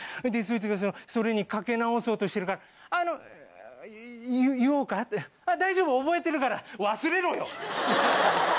でそいつがそれにかけ直そうとしてるから「あの言おうか？」って「大丈夫覚えてるから」。忘れろよ！